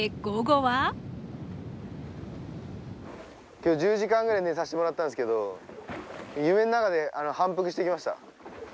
今日１０時間ぐらい寝さしてもらったんですけど夢の中で反復してきました。